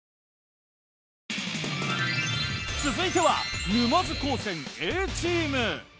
続いては沼津高専Ａチーム。